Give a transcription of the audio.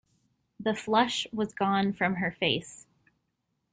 The flush was gone from her face.